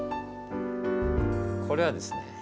これはですね。